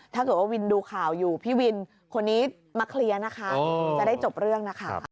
ถ้าเกิดว่าวินดูข่าวอยู่พี่วินคนนี้มาเคลียร์นะคะจะได้จบเรื่องนะคะ